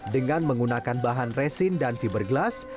dengan menggunakan bahan resin dan fiberglass